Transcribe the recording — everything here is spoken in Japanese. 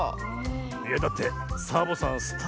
いやだってサボさんスターだぜ。